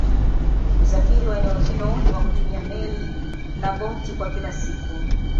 usafiri wa eneo hilo ni wa kutumia Meli na boti kwa kila siku